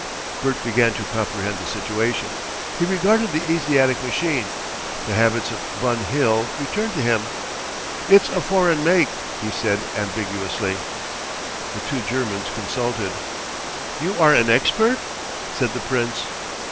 Bert began to comprehend the situation. He regarded the Asiatic machine. The habits of Bun Hill returned to him. "It's a foreign make," he said ambiguously. The two Germans consulted. "You are an expert?" said the Prince.